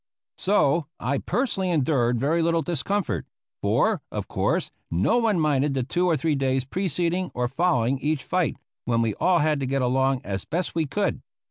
So I personally endured very little discomfort; for, of course, no one minded the two or three days preceding or following each fight, when we all had to get along as best we could.